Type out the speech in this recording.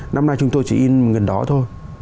năm nay chúng tôi chỉ in gần đó thôi